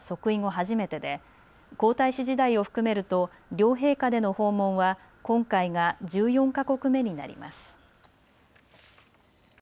初めてで皇太子時代を含めると両陛下での訪問は今回が１４か国目になります。